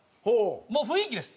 もう雰囲気です。